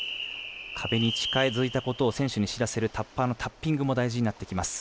壁に近づいたことを選手に知らせるタッパーのタッピングも大事になってきます